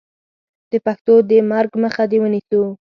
د پښتو د مرګ مخه دې ونیسو.